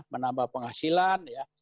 menambah penghasilan ya